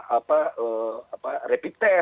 apa apa rapid test ya itu